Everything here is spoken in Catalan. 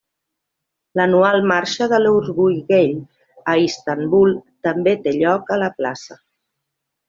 L'anual Marxa de l'Orgull Gai a Istanbul també té lloc a la plaça.